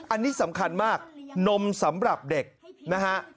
อันนี้สำคัญมากนมสำหรับเด็กนะฮะ